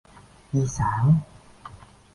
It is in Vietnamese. Di sản